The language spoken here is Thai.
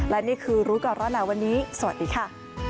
และนี่คือรู้ก่อนร้อนหนาวันนี้สวัสดีค่ะ